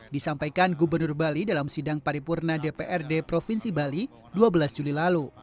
disampaikan gubernur bali dalam sidang paripurna dprd provinsi bali dua belas juli lalu